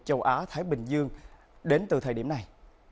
châu á thái bình dương đến từ thời điểm này